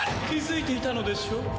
気付いていたのでしょう？